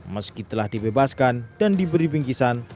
meski telah dibebaskan dan diberi bingkisan